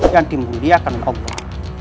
yang dimuliakan allah